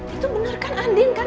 itu benar kan andin kan